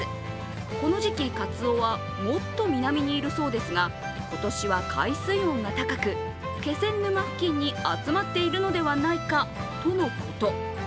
この時期、かつおはもっと南にいるそうですが今年は海水温が高く、気仙沼付近に集まっているのではないかとのこと。